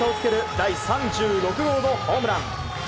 第３６号のホームラン。